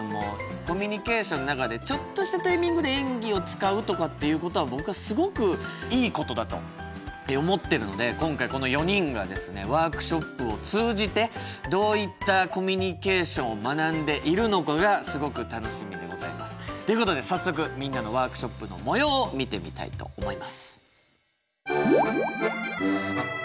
コミュニケーションの中でちょっとしたタイミングで演技を使うとかっていうことは僕はすごくいいことだと思ってるので今回この４人がですねワークショップを通じてどういったコミュニケーションを学んでいるのかがすごく楽しみでございます。ということで早速みんなのワークショップのもようを見てみたいと思います。